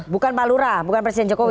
bukan pak lurah bukan presiden jokowi